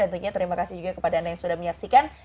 dan tentunya terima kasih juga kepada anda yang sudah menyaksikan